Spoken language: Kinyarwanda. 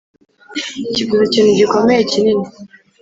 kivuze ikintu gikomeye kinini